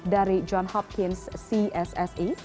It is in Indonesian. dari john hopkins csse